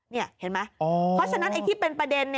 นี่เห็นไหมเพราะฉะนั้นไอ้ที่เป็นประเด็น